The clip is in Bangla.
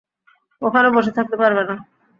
ওখানে বসে থাকতে পারবে না।